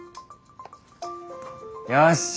よし！